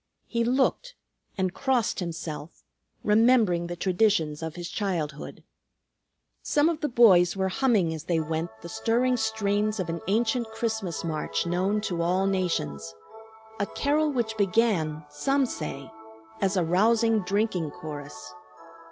He looked, and crossed himself, remembering the traditions of his childhood. Some of the boys were humming as they went the stirring strains of an ancient Christmas march known to all nations; a carol which began, some say, as a rousing drinking chorus.